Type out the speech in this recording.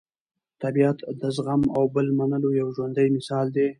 طبیعت د زغم او بل منلو یو ژوندی مثال دی.